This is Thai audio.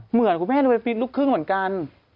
เหมือนคุณแม่ดูลูกครึ่งเหมือนกัน